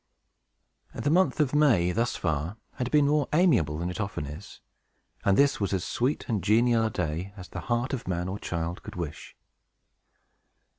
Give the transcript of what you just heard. The month of May, thus far, had been more amiable than it often is, and this was as sweet and genial a day as the heart of man or child could wish.